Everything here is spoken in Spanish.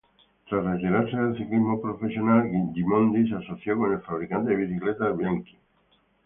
Tras retirarse del ciclismo profesional, Gimondi se asoció con el fabricante de bicicletas Bianchi.